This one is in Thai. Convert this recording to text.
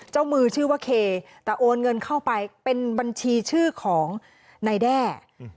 เจ้ามือชื่อว่าเคแต่โอนเงินเข้าไปเป็นบัญชีชื่อของนายแด้